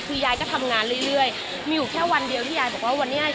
คือยายเขาทำงานเรื่อยมีอยู่แค่วันเดียวยายบอกว่า